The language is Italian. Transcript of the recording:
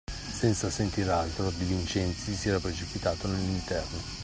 Senza sentir altro, De Vincenzi si era precipitato nell'interno